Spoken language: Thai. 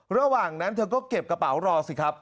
ระหว่างนั้นเธอก็เก็บกระเป๋ารอสิครับ